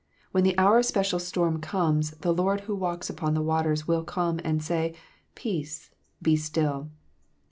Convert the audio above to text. When the hour of special storm comes, the Lord who walks upon the waters will come and say, " Peace : be still."